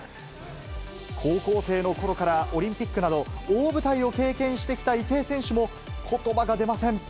高校生のころからオリンピックなど、大舞台を経験してきた池江選手も、ことばが出ません。